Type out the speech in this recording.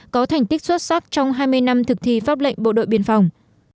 có thành tích xuất sắc trong hai mươi năm thực thi pháp lệnh bộ đội biên phòng